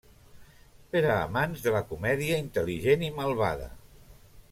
Per a amants de la comèdia intel·ligent i malvada.